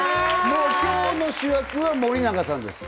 もう今日の主役は森永さんです